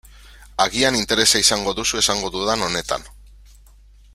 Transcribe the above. Agian interesa izango duzu esango dudan honetan.